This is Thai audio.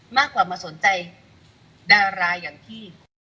มากกว่ามาสนใจดาราอย่างพี่